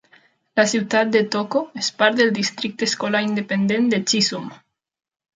La ciutat de Toco es part del Districte Escolar Independent de Chisum.